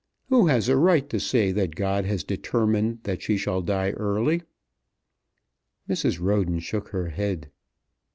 Who has a right to say that God has determined that she shall die early?" Mrs. Roden shook her head.